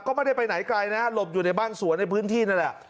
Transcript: ก็ไม่ได้ไปไหนไกลนะหลบอยู่ในบ้านสวนในพื้นที่นั่นแหละ